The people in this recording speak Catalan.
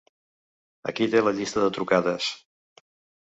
Aquí té la llista de trucades:.